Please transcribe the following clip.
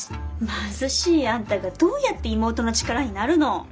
貧しいあんたがどうやって妹の力になるの？